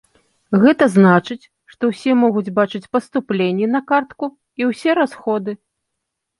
Гэта значыць, што ўсе могуць бачыць паступленні на картку і ўсе расходы.